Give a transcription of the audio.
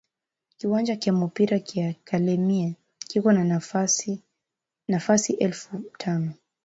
Kiwanja kya mupira kya kalemie kiko na fasi elfu tano